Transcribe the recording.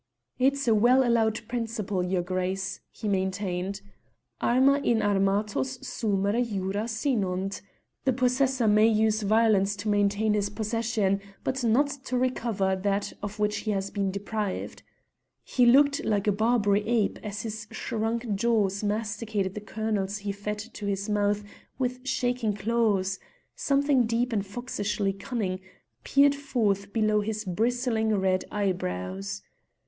"It's a well allowed principle, your Grace," he maintained. "Arma in armatos sumere jura sinunt the possessor may use violence to maintain his possession, but not to recover that of which he has been deprived." He looked like a Barbary ape as his shrunk jaws masticated the kernels he fed to his mouth with shaking claws: something deep and foxishly cunning peered forth below his bristling red eyebrows.